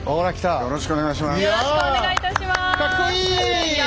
よろしくお願いします。